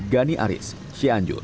gani aris sianjur